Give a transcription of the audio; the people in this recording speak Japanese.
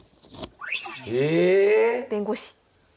え⁉弁護士。